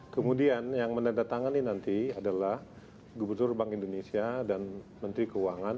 kemudian yang menandatangani nanti adalah gubernur bank indonesia dan menteri keuangan